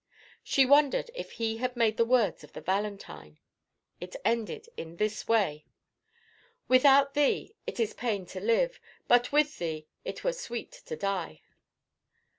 She wondered if he had made the words of the valentine!—it ended in this way:— "Without thee, it is pain to live, But with thee, it were sweet to die."